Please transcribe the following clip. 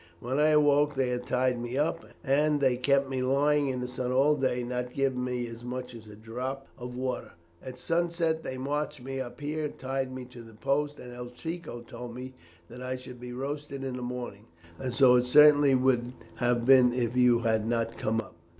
When I awoke they had tied me up, and they kept me lying in the sun all day, not giving me as much as a drop of water. At sunset they marched me up here and tied me to that post, and El Chico told me that I should be roasted in the morning; and so it certainly would have been if you had not come up.'